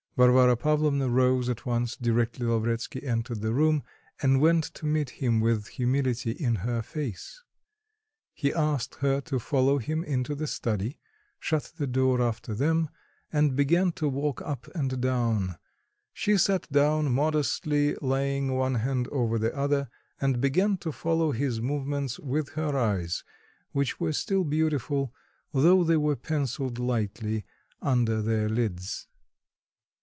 Varvara Pavlovna rose at once directly Lavretsky entered the room, and went to meet him with humility in her face. He asked her to follow him into the study, shut the door after them, and began to walk up and down; she sat down, modestly laying one hand over the other, and began to follow his movements with her eyes, which were still beautiful, though they were pencilled lightly under their lids.